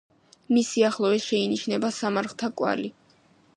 მის სიახლოვეს შეინიშნება სამარხთა კვალი.